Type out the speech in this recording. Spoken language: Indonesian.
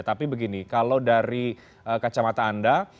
tapi begini kalau dari kacamata anda